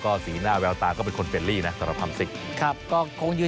ก็จะมีความสนุกของพวกเราและก็มีความสนุกของพวกเรา